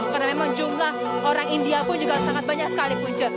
karena memang jumlah orang india pun juga sangat banyak sekali punca